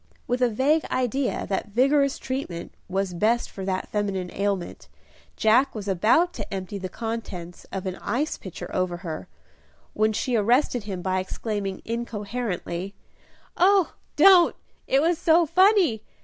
With a vague idea that vigorous treatment was best for that feminine ailment, Jack was about to empty the contents of an ice pitcher over her, when she arrested him, by exclaiming, incoherently, "Oh, don't! it was so funny!